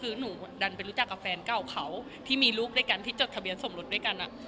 คือหนูดันไปรู้จักกับแฟนเก่าเขาที่มีลูกด้วยกันที่จดทะเบียนสมรสด้วยกัน